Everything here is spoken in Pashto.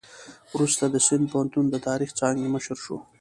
وروسته د سند پوهنتون د تاریخ څانګې مشر شو.